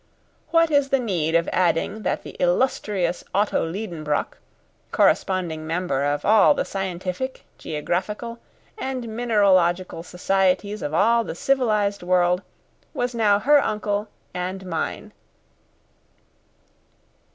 What is the need of adding that the illustrious Otto Liedenbrock, corresponding member of all the scientific, geographical, and mineralogical societies of all the civilised world, was now her uncle and mine?